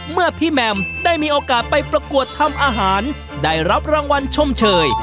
เมื่อพี่แมมได้มีโอกาสไปประกวดทำอาหารได้รับรางวัลชมเชย